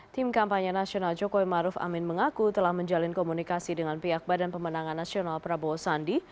tim kampanye nasional jokowi maruf amin mengaku telah menjalin komunikasi dengan pihak badan pemenangan nasional prabowo sandi